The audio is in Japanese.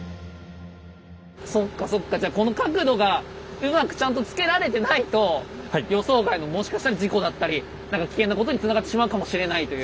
そっかそっかじゃあこの角度がうまくちゃんとつけられてないと予想外のもしかしたら事故だったりなんか危険なことにつながってしまうかもしれないという。